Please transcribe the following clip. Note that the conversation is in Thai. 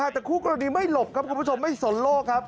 แต่คู่กรณีไม่หลบครับคุณผู้ชมไม่สนโลกครับ